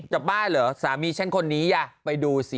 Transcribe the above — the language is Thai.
บ้ายเหรอสามีฉันคนนี้ไปดูสิ